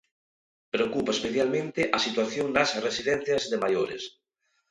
Preocupa especialmente a situación nas residencias de maiores.